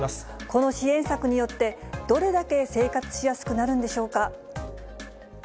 この支援策によって、どれだけ生活しやすくなるんでしょうか。